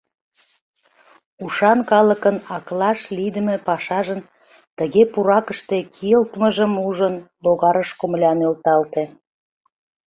Ушан калыкын аклаш лийдыме пашажын тыге пуракыште кийылтмыжым ужын, логарыш комыля нӧлталте.